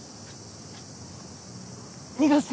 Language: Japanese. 逃がすな！